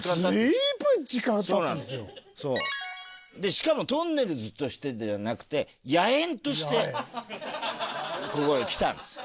しかもとんねるずとしてではなくて野猿としてここへ来たんですよ